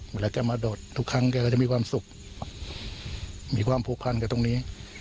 เวลาแกมาโดดทุกครั้งแกก็จะมีความสุขมีความผูกพันกับตรงนี้